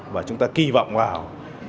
và chúng ta kỳ vọng vào